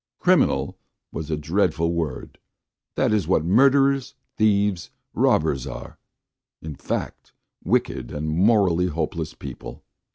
"Criminal" is a dreadful word that is what murderers, thieves, robbers are; in fact, wicked and morally hopeless people.